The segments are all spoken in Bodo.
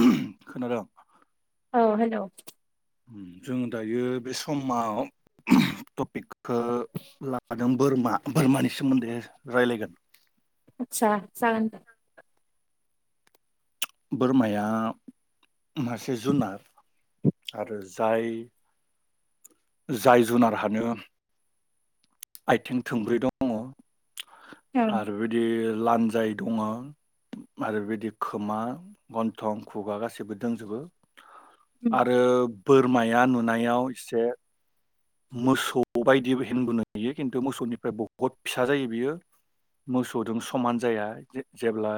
उम खोनादोंं अ हेलौ जों दायो बे समाव उम टपिक खो लाफादों बोरमा बोरमानि सोमोन्दै रायलायगोन सा जागोनदे बोरमाया मासे जुनार आरो जाय जाय जुनारहानो आथिं थोंब्रै दङ औ आरो बिदि लान्जाय दङ आरो बेदि खोमा गन्थं खुगा गौसैबो दोंजोबो आरो बोरमाया नुनायाव एसे। मोसौ बायदिबो। [unintelligible] खिन्थु मोसौनिफ्राय बुहुत फिसा जायो बियो मोसौजों समान जाया जेब्ला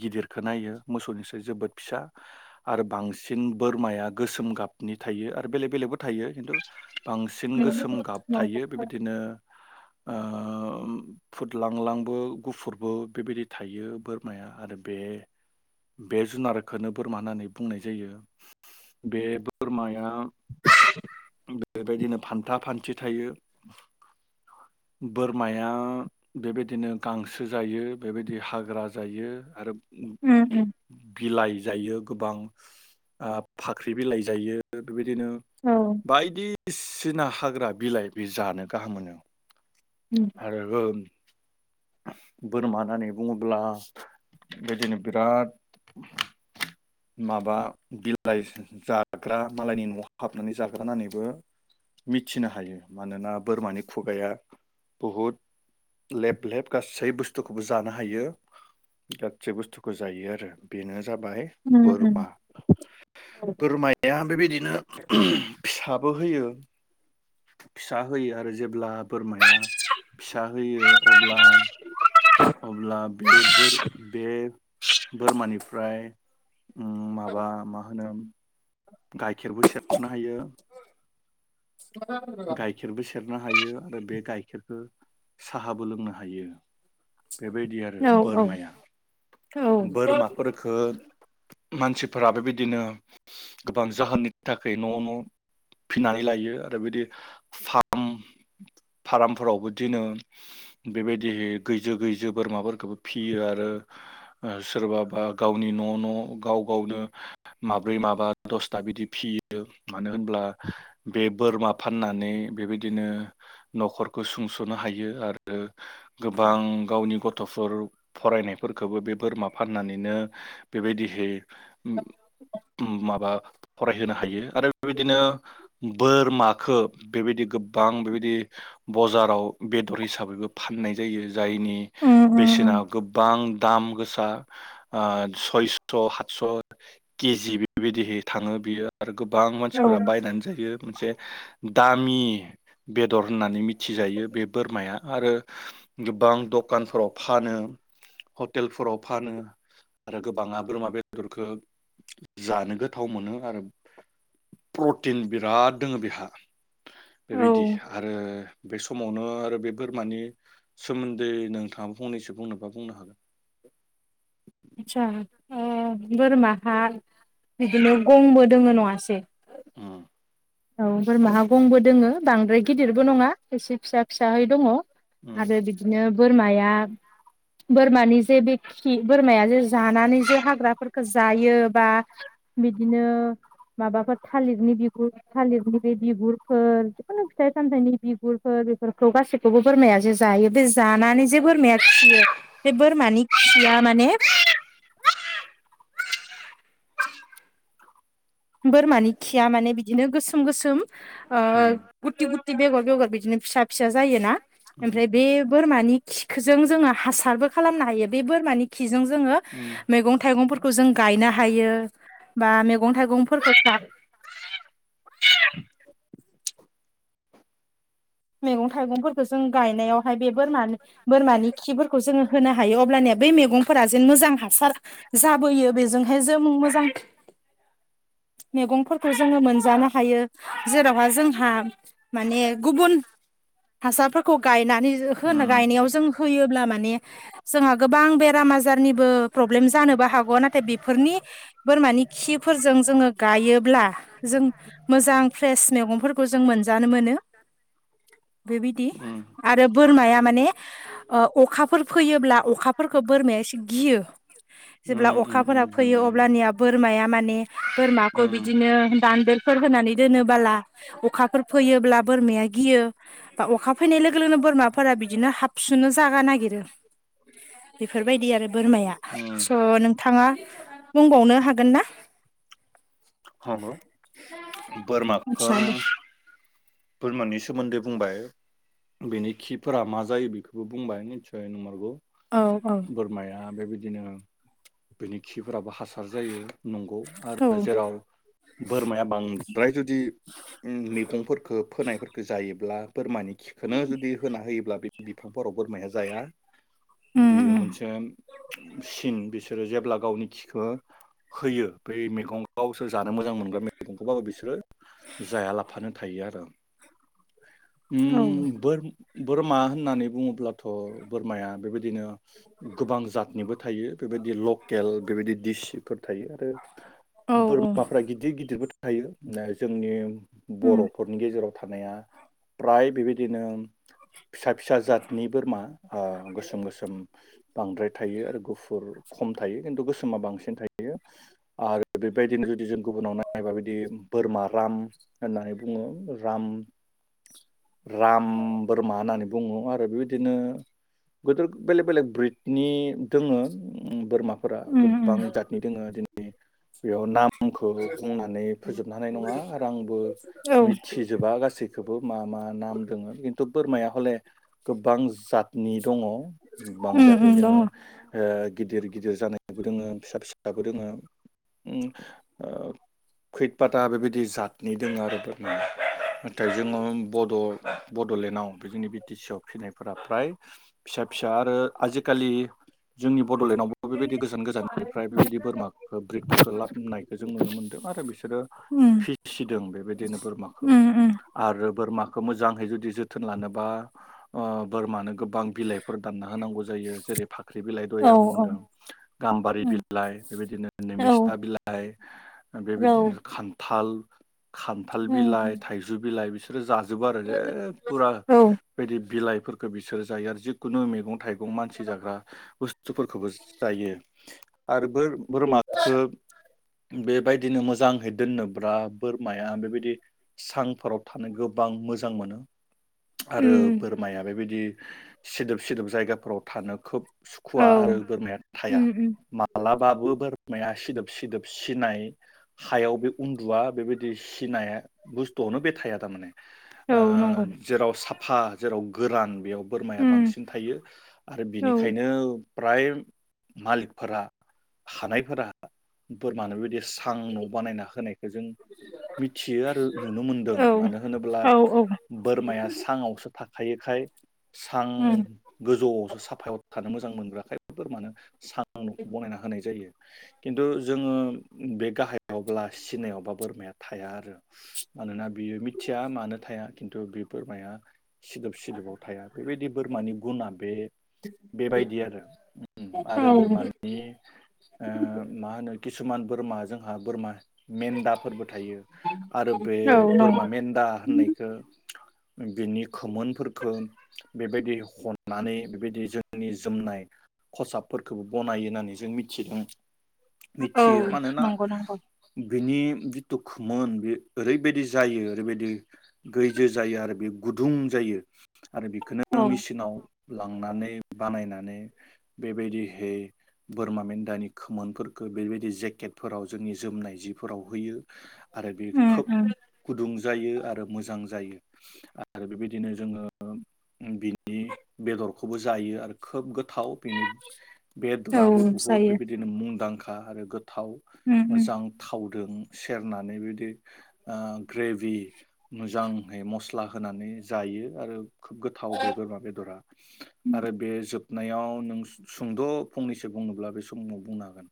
गिदिरखो नायो मोसौनिसाय जोबोद फिसा आरो बांसिन बोरमाया गोसोम गाबनि थायो आरो बेलेक बेलेकबो थायो खिन्थु बां सिन उम गोसोम उम गाब नंगौ थायो बेबायदिनो। ओ फुदलांलांबो गुफुरबो बेबायदि थायो बोरमाया आरो बे बे जुनारखौनो बोरमा होननानै बुंनाय जायो बे बोरमाया बेबायदिनो। फान्था फान्थि थायो बोरमाया बेबायदिनो गांसो जायो बेबायदि हाग्रा जायो आरो। उम बिलाइ जायो। गोबां ओ फाख्रि बिलाइ जायो [unintelligible] बिदिनो बायदिसि दिना हाग्रा बिलाइ बे जानो गाहाम मोनो। आरो बोरमा होननानै बुङोब्ला बेदिनो बिराद माबा बिलाइ जाग्रा मालायनि न'आव हाबनानै जाग्रा होननानैबो मिथिनो हायो मानोना बोरमानि खुगाया बहुद लेफ लेफ गासै बुस्थुखौबो जानो हायो गासै बुस्थुखौ जायो आरो बेनो जाबाय उम बोरमा उम बोरमाया बेबायदिनो फिसाबो होयो। फिसा होयो आरो जेब्ला बोरमा फिसा होयो अब्ला अब्ला बे बो बे बोरमानिफ्राय माबा मा हो [unintelligible] गाइखेरबो सेरनो हायो। गाइखेरबो सेरनो हायो आरो बे गाइ [unintelligible] साहाबो लोंनो हायो। बेबायदि आरो औ बोरमाया औ बोरमाफोरखो मानसिफोरा बेबायदिनो गोबां जाहोननि थाखाय न' न' फिनानै लायो आरो बिदि फार्म फार्मफोरावबो दिनो बेबायदि गैजो गैजो बोरमाफोरखौबो फियो आरो सोरबाबा गावनि न' न' गाव गावनो माब्रै माबा दसथा बिदि फियो मानो होनब्ला बे बोरमा फाननानै बेबायदिनो न'खरखौ सुंस'नो हायो आरो। गोबां गावनि ग थ'फोर फरायनायफोरखौबो बे बोरमा फाननानैनो बेबायदिहै माबा फरायहोनो हायो आरो बेबायदिनो बोरमा खो बेबायदि गोबां बेबायदि बजाराव बेदर हिसाबैबो फाननाय जायो। जायनि उम बेसेना उम गोबां दाम गोसा ओ सयस' हातस' केजि बेबायदिहै थाङो बियो। आरो गोबां औ मानसिफोरा बायनानै जायो मोनसे दामि बेदर होननानै मिथिजायो बे बोरमाया आरो गोबां दखानफोराव फानो हटेलफोराव फानो आरो गोबाङा बोरमा बेदरखौ जानो गोथाव मोनो आरो प्रटिन बिराद दङो बेहा औ बेबायदि आरो बे समावनो आरो बे बोरमानि सोमोन्दै नोंथाङा फंनैसो बुंनोबा बुंनो हागोन। ए बोरमाहा बिदिनो गंबो दोङो नङासै? उम औ बोरमाहा गंबो दोङो बांद्राय गिदिरबो नङा एसे फिसा फिसाहै दङ'। उम आरो बिदिनो बोरमाया बोरमानि जे बेखि बोरमाया जे जानानै जे हाग्राफोरखौ जायो बा बिदिनो माबाफोर थालिरनि बिगुर थालिरनि बे बिगुरफोर जिखुनु फिथाइ सामथाइनि बिगुरफोर बेफोरखौ गासैखौबो बोरमाया जे जायो बे जानानै जे बोरमाया खियो बे बोरमानि खिया माने बोरमानि खिया माने बि बिदिनो गोसोम गोसोम ओ उम गुति गुति बेगर बेगर बिदिनो फिसा फिसा जायोना। उम ओमफ्राय बे बोरमानि खिखोजों जोङो हासारबो खालामनो हायो बे बोरमानि खिजों जोङो मैगं थाइगंफोरखौ जों गायनो हायो बा मैगं थाइगं फोरखौ साब मैगं थाइगंफोरखौ जों गायनायाव फाय बे बोरमा बोरमानि खिफोरखौ जोङो होनो हायो अब्लानिया बै मैगंफोरा जेन मोजां हासार जाबोयो बेजोंहाय जों मोजां मेगंफोरखौ जोङो मोनजानो हायो जेरावहा जोंहा माने गुबुन हासारफोरखौ गायनानै [unintelligible] गायनायाव जों होयोब्ला माने जोंहा गोबां बेराम आजारनिबो प्रब्लेम जानोबो हागौ। नाथाय बेफोरनि बोरमानि खिफोरजों जोङो गायोब्ला जों मोजां फ्रेस मेगंफोरखौ मोनजानो मोनो। बेबायदि आरो बोरमाया माने ओ अखाफोर फैयोब्ला अखाफोरखौ बोरमाया एसे गियो। जेब्ला उम उम अखाफोरा फैयो नंगौ अब्लानिया बोरमाया माने बोरमाखौ उम बिदिनो [unintelligible] [unintelligible] फोर होनानै दोनोबाला अखाफोर फैयोब्ला बोरमाया गियो बा अखा फैनाय लोगो लोगोनो बोरमाफोरा बिदिनो हाबसोनो जागा नागिरो। बेफोरबायदि आरो बोरमाया। स' नंगौ नोंथाङा बुंबावनो हागोन ना? नंगौ। बोरमाखो आदसा दे बोरमानि सोमोन्दै बुंबाय बेनि खिफोरा मा जायो बेखौबो बुंबाय निससय नंमारगौ। औ औ बोरमाया बेबाय दिनो बेनि खिफोराबो हा सार जायो नंगौ औ आरो जेराव बोरमाया बांद्राय जुदि उम मैगंफोर खो फोनायफोरखो जायोब्ला बोरमानि खिखौनो जुदि होना होयोब्ला बे बिफांफोराव बोरमाया जाया। उम बेयो उम मोनसे सिन बिस बिसोरो जेब्ला गावनि खिखो होयो बै मैगं गावसोर जानो मोजां मोनग्रा मैगंखौबाबो बिसोरो जायालाफानो थायो आरो औ ओम बोर बोरमा होननानै बुङोब्लाथ बोरमाया बेबायदिनो गोबां जातनिबो थायो। बेबायदि लकेल बेबायदि दिडिसफोर थायो आरो औ बोरमाफ्रा गिदिर गिदिरबो थ थायो जोंनि उम बर'फोरनि गेजेराव थानाया प्राय बिबायदिनो फिसा फिसा जातनि बोरमा गोसोम गोसोम बांद्राय थायो आरो गुफुर खम थायो खिन्थु गोसोम समा बांसिन थायो आरो बेबायदिनो जुदि जों गुबुनाव नायबा बिायदि बोरमा राम होननानै बुङो राम राम बोरमा होननानै बुङो आरो बेबायदिनो गोदोर बेलेग बेलेक ब्रिडनि दोङो बोरमाफोरा उम उम गोबां जातनि दोङो दिनै बेयाव नामखौ बुंनानै फोजोबनो हानाय नङा आरो आंबो औ मिथिजोबा गासैखौबो मा मा नाम दङो बोरमाया हले गोबां जातनि दङ उम बांजादनि उम दोङो दङ गिदिर गिदिर जानायबो दोङो फिसा फिसाबो दोङो खैदफाता बेबायदि जादनि दङ आरो। जोबनाय नाथाय जोङो बड'लेण्डआव बेजोंनि बि टि सि आव फिनायफोरा फ्राय फिसा फिसा आरो आजिखालि जोंनि बड'लेण्डआवबो बेबायदि गोजान गोजाननिफ्राय बेबायदि बोरमाखौ ब्रिदफोरखौ लाबनायखौ जों नुनो मोनदों आरो बिसोरो उम फिसिदों बेबायदिनो बोरमाखौ उम उम आरो बोरमा मोजै जुदि जोथोन लानोबा बोरमानो गोबां बिलाइफोर दानना होनांगौ जायो जेरै फाख्रि बिलाइ औ दया औ बुंदों गाम्बारि उम बिलाइ बेबायदिनो औ निमिस्था बिलाइ बेबायदिनो खान्थाल खान्थाल उम बिलाइ थाइजौ बिलाइ बिसोर रोजा जोबो आरो जे फुरा औ बेदि बिलाइफोरखौ बिसोर जायो आरो जिखुनु मेगं थाइगं मानसि जाग्रा बुस्थुफोरखौबो जायो आरो बोर बोरमखौ बेबायदिनो मोजाङै दोननोब्ला बोरमाया बेबायदि सांफोराव थानो गोब गोबां मोजां मोनो आरो उम बोरमाया बेबायदि बिदि सिदोब सिदोब जायगाफोराव थानो खोब औ सुखुवा आरो बोरमाया थाया उम उम मालाबाबो बोरा माया सिदोब सिदोब सिनाय हायाव बे उन्दुवआ बेबायदि सिनाया बुस्थुआवनो बे थाया औ नंगौ जेराव साब फा जेराव गोरान बेयाव बोरमाया उम बांसिन थायो आरो औ बिनिखायनो फ्राय मालिकफोरा हानायफोरा बोरमानो बेदि थां न' बानायना होनायखौ जों मिथियो आरो नुनो मोनदों औ मानो ब्लाद औ औ बोरमाया साङावसो थाखायोखाय सां उम गोजौआवसो साफायाव थानो मोजां मोनग्रा खायफोर मानो सा आं न'खौ बनायना होनाय जायो खिन्थु जोङो बे गाहायावब्ला सिनायावबा बोरमाया थाया आरो मानोना बियो मिथ थिया मानो थाया खिन्थु बे बोरमाया सिदोब सिदोबाव थाया बेबायदि बोरमानि गुना बे बेबायदि आरो उम औ आरो बोरमानि ओ मा होनो गिद किसुमान बोरमा जोंहा बोरमा मेन्दाफोरबो थायो आरो बे बोरमा नंगौ मेन्द दा होननायखो बिनि खोमोनफोरखो बेबायदि हननानै बेबायदि जोंनि जोमनाय खसाबफोरखौबो बनायो होननानै जों मिथिदों। औ मिथियो मानोना नंगौ नंगौ। बिनि बितु खोमोन बे ओरैबायदि जायो ओरैबायदि दि गैजो जायो आरो बे गुदुं जायो। आरो औ बेखोनो मेसिनाव लांनानै बानायनानै बेबायदिहै बोरमा मेन्दानि खोमोनफोरखो बेबायदि जेकेटफोराव जोंनि जोमनाय जिफोराव होयो। आरो बे उम खोब उम औ गुदुं बेयो आरो मोजां जायो बेबायदिनो जोङो बिनि बेदरखौबो जायो आरो खोब गो थाव बेनि बेदराबो बुहुत जायो बेबायदिनो मुंदां खा आरो गोथ थाव उम उम मोजां थाव गोम सेरनानै बिदि ओ ग्रेभ बि मोजांहै मस्ला होनानै जायो आरो खोब गोथाव बे बोरमा बेदरा आरो बे जोब नायाव नों सुंद' फंनैसो बुंनोब्ला बे समाव बुंनो हागोन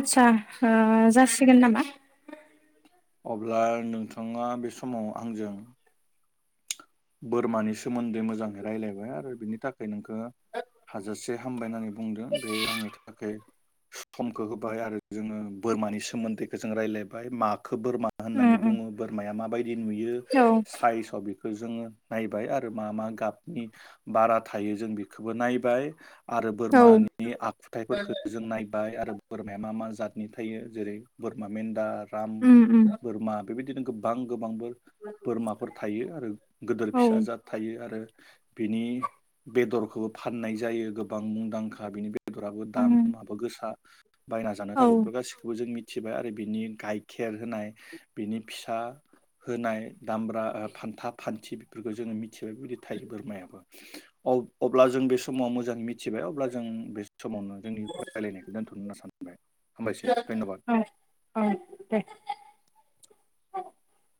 आदसा ओ जासिगोन नामा? अब्ला नोंथाङा बे समाव आंजों बोरमानि सोमोन्दै मोजांङै रायलायबाय आरो बिनि थाखाय नोंखो खो हाजासे हामबाय होननानै बुंदों बे आंनो थाखाय समखौ होबाय आरो जोङो बोरमानि सोमोन्दैखौ जों रायलायबाय माग खो बोरमा उम होननानै उम बुङो बोरमाया माबाय बिदि नुयो औ सायसाव बि ओ जोंङो नायबाय आरो मा मा गाबनि बारा थायो जों बेखोबो नायबाय। आरो औ बोरमानि आखुथायाइफोखो जों नायबाय आरो बोरमाया मा मा जादों नि थायो जेरै बोरमा मेन्दार राम उम उम बोरमा बेबायदिनो गोबां गोबां बोर बोरमाफोर थायो आरो गिदिर औ फिसाजाद थायो आरो बिनि बेदरखौबो फाननाय जायो गोबां मुंदांखा बिनि बेदराबो उम दामाबो गोसा बायना जानो औ थाखाय बेफोर गासिखौबो जों मिथि मिथिबाय आरो बिनि गाइखेर होनाय बिनि फिसा होनाय दामब्रा फानथाब फान्थिफोरखौ जोङो बेबादि थायो बोरमायाबो अ अब्ला जों बे समाव मोजां मित थिबाय अब्ला जों बे समावनो जोंनि रायलायनायखौ दोन्थ'नो होनना सानबाय हामबायसै धन्यबाद औ दे औ